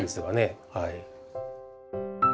はい。